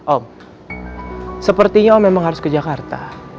om sepertinya om memang harus ke jakarta